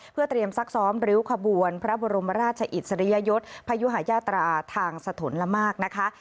เพื่อเตรียมซักซ้อมริ้วขบวนพระบรมราชอิสริยยศพยุหายาตราทางสถนละมากนะคะ